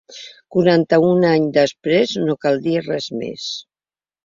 ’quaranta-un anys després, no cal dir res més.